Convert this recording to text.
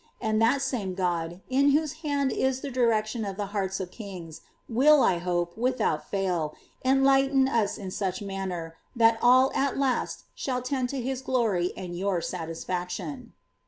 And that same Uod, in whose hand is the direction of the hearts of kings, will, I hope, without fuil, enlighten us in such manner, iliai all at l>M shall tend to his glory and your saiisfacljon."